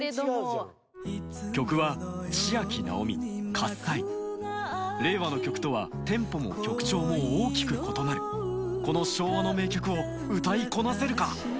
曲は令和の曲とはテンポも曲調も大きく異なるこの昭和の名曲を歌いこなせるか？